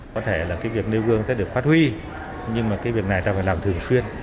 có thể là cái việc nêu gương sẽ được phát huy nhưng mà cái việc này ta phải làm thường xuyên